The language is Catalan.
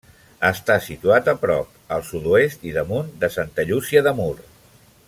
Està situat a prop al sud-oest i damunt de Santa Llúcia de Mur.